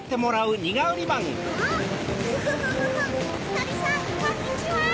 とりさんこんにちは。